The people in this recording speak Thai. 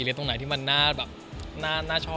หรือตรงไหนที่มันน่าชอบขนาดนั้น